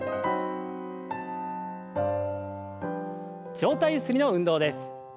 上体ゆすりの運動です。